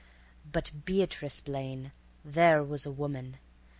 But Beatrice Blaine! There was a woman!